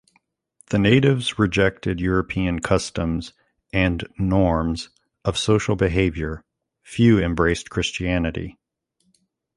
The natives rejected European customs and norms of social behaviour; few embraced Christianity.